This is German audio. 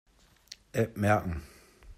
App merken.